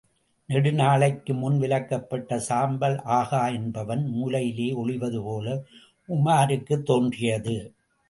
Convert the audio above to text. நெடு நாளைக்கு முன் விலக்கப்பட்ட சாம்பல் ஆகா என்பவன் மூலையிலே ஒளிவது போல உமாருக்குத் தோன்றியது.